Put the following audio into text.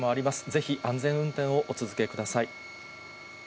ぜひ安全運転をお続けください。